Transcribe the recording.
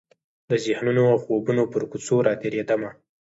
د ذهنونو او خوبونو پر کوڅو راتیریدمه